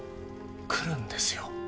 来るんですよ。